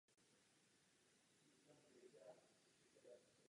Na poslední moment je transportován na Enterprise.